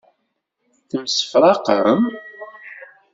Temsefraqem?